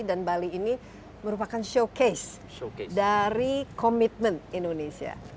dan bali ini merupakan showcase dari commitment indonesia